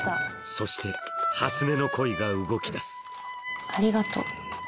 そして初音の恋が動き出すありがとう。